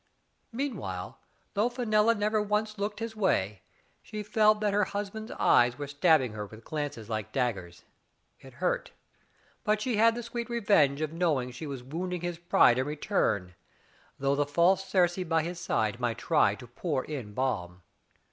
Meanwhile, though Fenella never once looked his way, she felt that her husband's eyes were stabbing her with glances like daggers. It hurt ; but she had the sweet revenge of knowing she was wounding his pride in return, though the false Circe by his side might try to pour in balm.